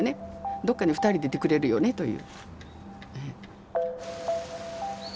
どっかに２人でいてくれるよねという。